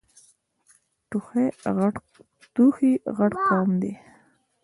توخی غټ قوم ده.